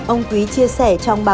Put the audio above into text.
ông quý chia sẻ trong bài